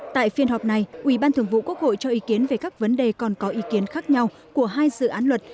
tại phiên họp này ủy ban thường vụ quốc hội cho ý kiến về các vấn đề còn có ý kiến khác nhau của hai dự án luật